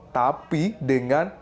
tapi dengan penawaran